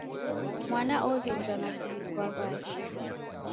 Mwana oghenjwa kwa w'aw'ae.